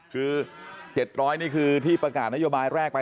คือ๗๐๐นี่คือที่ประกาศนโยบายแรกไป